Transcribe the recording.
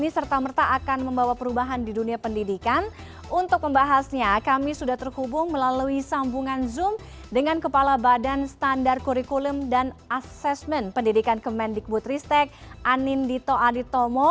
selamat malam pak rahmat dan juga panino